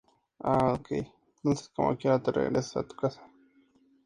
Ardía incluso en el agua y podía usarse para incendiar bosques y casas.